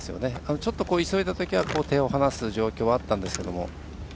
ちょっと急いだときは手を離す状況はあったんですが。